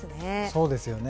そうですよね。